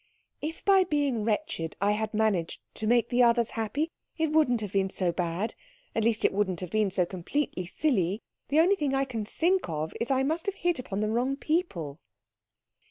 "If by being wretched I had managed to make the others happy it wouldn't have been so bad. At least it wouldn't have been so completely silly. The only thing I can think of is that I must have hit upon the wrong people."